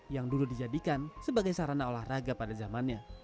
yang dulu dijadikan sebagai sarana olahraga pada zamannya